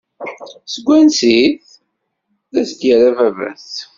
Seg wansi-t? I d as-yerra baba-s.